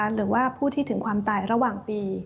หรือว่าผู้ที่ถึงความตายระหว่างปี